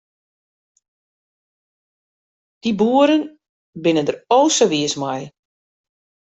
Dy boeren binne der o sa wiis mei.